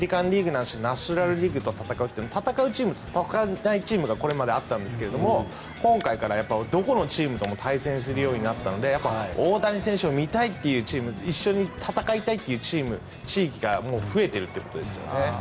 ないしナショナル・リーグと戦うチームと戦わないチームがこれまであったんですが今回から、どこのチームとも対戦するようになったので大谷選手を見たいというチーム一緒に戦いたいというチーム地域が増えているということですよね。